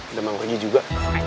udah mau pergi juga